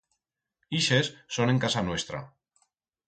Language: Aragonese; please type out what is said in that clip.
Ixes son en casa nuestra.